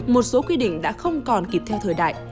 một số quy định đã không còn kịp theo thời đại